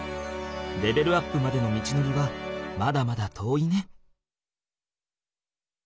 レベルアップまでの道のりはまだまだ遠いね。